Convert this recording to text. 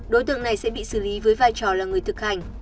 đối tượng này sẽ bị xử lý với vai trò là người thực hành